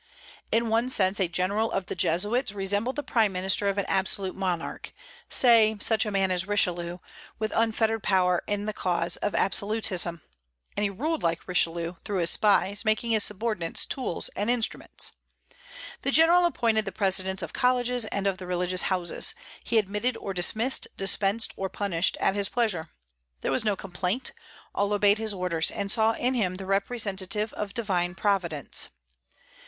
In one sense a General of the Jesuits resembled the prime minister of an absolute monarch, say such a man as Richelieu, with unfettered power in the cause of absolutism; and he ruled like Richelieu, through his spies, making his subordinates tools and instruments. The General appointed the presidents of colleges and of the religious houses; he admitted or dismissed, dispensed or punished, at his pleasure. There was no complaint; all obeyed his orders, and saw in him the representative of Divine Providence.